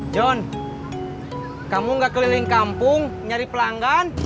john kamu nggak keliling kampung nyari pelanggan